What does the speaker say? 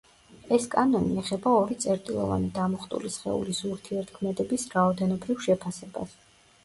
ეს კანონი ეხება ორი წერტილოვანი დამუხტული სხეულის ურთიერთქმედების რაოდენობრივ შეფასებას.